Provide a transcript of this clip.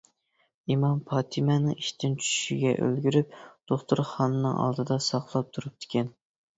ئىمام پاتىمەنىڭ ئىشتىن چۈشىشىگە ئۈلگۈرۈپ دوختۇرخانىنىڭ ئالدىدا ساقلاپ تۇرۇپتىكەن.